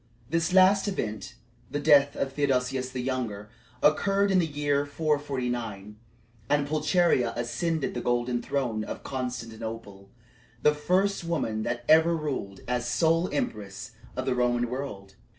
This last event the death of Theodosius the Younger occurred in the year 449, and Pulcheria ascended the golden throne of Constantinople the first woman that ever ruled as sole empress of the Roman world.